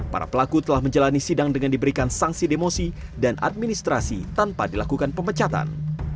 para pelaku telah menjalani sidang dengan diberikan sanksi demosi dan administrasi tanpa dilakukan pemecatan